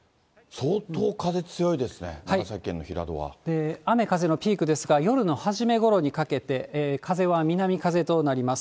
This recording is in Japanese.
相当風強いですね、雨風のピークですが、夜の初めごろにかけて、風は南風となります。